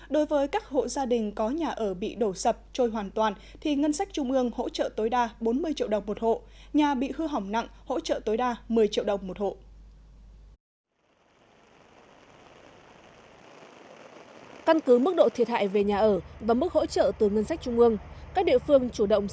đối với các hộ gia đình có nhà ở bị đổ sập trôi hoàn toàn thì ngân sách trung ương hỗ trợ tối đa bốn mươi triệu đồng một hộ nhà bị hư hỏng nặng hỗ trợ tối đa một mươi triệu đồng một hộ